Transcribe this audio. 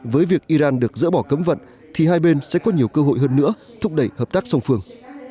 với việc iran được dỡ bỏ cấm vận thì hai bên sẽ có nhiều cơ hội hơn nữa thúc đẩy hợp tác song phương